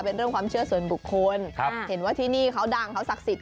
เป็นเรื่องความเชื่อส่วนบุคคลเห็นว่าที่นี่เขาดังเขาศักดิ์สิทธิ